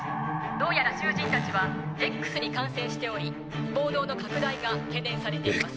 どうやら囚人たちはＸに感染しており暴動の拡大が懸念されています」。